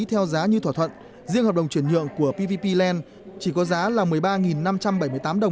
theo giá như thỏa thuận riêng hợp đồng chuyển nhượng của pvp land chỉ có giá là một mươi ba năm trăm bảy mươi tám đồng